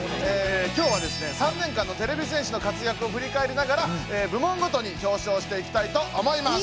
今日はですね３年間のてれび戦士の活躍をふりかえりながら部門ごとに表彰していきたいと思います！